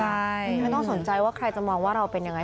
ใช่ไม่ต้องสนใจว่าใครจะมองว่าเราเป็นยังไง